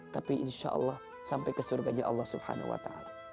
tapi insya allah sampai ke surganya allah subhanahu wa ta'ala